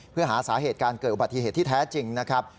เพื่อหาสาเหตุการเกิดอุบัติเหตุที่แท้จริงนะครับ